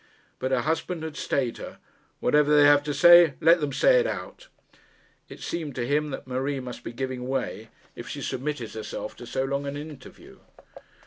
But her husband had stayed her. 'Whatever they have to say, let them say it out.' It seemed to him that Marie must be giving way, if she submitted herself to so long an interview.